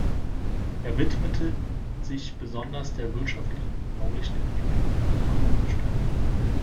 Er widmete sich besonders der wirtschaftlichen und baulichen Entwicklung von Frankenstein.